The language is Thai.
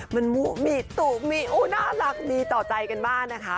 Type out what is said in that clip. มันมุมมีตุกมีน่ารักมีต่อใจกันมากนะคะ